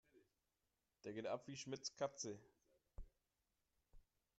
Der geht ab wie Schmitz' Katze.